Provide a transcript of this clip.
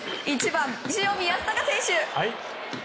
１番、塩見泰隆選手。